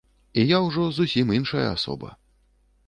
І я ўжо зусім іншая асоба.